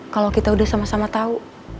kalau kita udah sama sama tahu